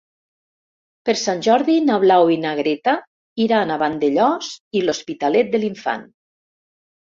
Per Sant Jordi na Blau i na Greta iran a Vandellòs i l'Hospitalet de l'Infant.